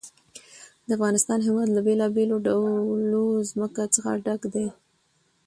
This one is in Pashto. د افغانستان هېواد له بېلابېلو ډولو ځمکه څخه ډک دی.